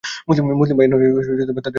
মুসলিম বাহিনী তাদের অবরোধ করল।